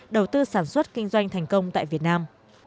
đầu tư sản xuất kinh doanh thành công tại việt nam